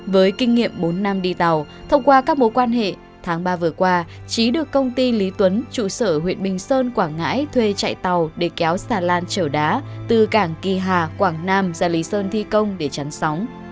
với kinh nghiệm bốn năm đi tàu thông qua các mối quan hệ tháng ba vừa qua trí được công ty lý tuấn trụ sở huyện bình sơn quảng ngãi thuê chạy tàu để kéo xà lan chở đá từ cảng kỳ hà quảng nam ra lý sơn thi công để chắn sóng